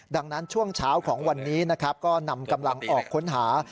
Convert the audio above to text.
ดังนั้นช่วงเช้าของวันนี้นะครับก็นำกำลังออกค้นหา